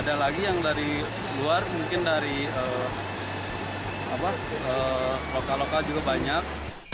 ada lagi yang dari luar mungkin dari lokal lokal juga banyak